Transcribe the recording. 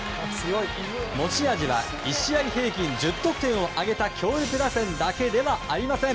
持ち味は１試合平均１０得点を挙げた強烈打線だけではありません。